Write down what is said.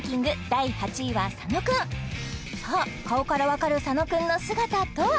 第８位は佐野くんさあ顔から分かる佐野くんの姿とは？